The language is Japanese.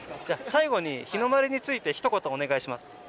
じゃ最後に日の丸についてひと言お願いします